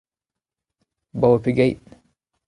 Abaoe pegeit ?